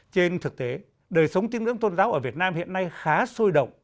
trên thực tế đời sống tín ngưỡng tôn giáo ở việt nam hiện nay khá sôi động